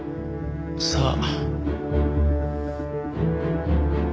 さあ。